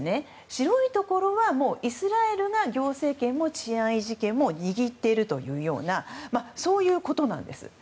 白いところはイスラエルが行政権も治安維持権も握っているというようなそういうことなんです。